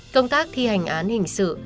công tác thi hành án hình sự